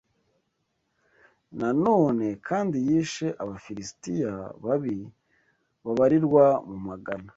Nanone kandi yishe Abafilisitiya babi babarirwa mu magana